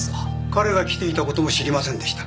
彼が来ていた事も知りませんでした。